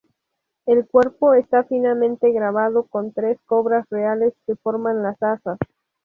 El cuerpo está finamente grabado con tres cobras reales que forman las asas.